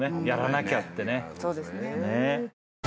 やらなきゃってね。